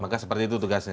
maka seperti itu tugasnya